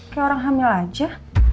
kayak orang hamil aja